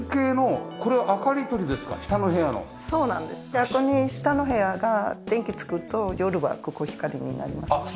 逆に下の部屋が電気つくと夜はここ光になります。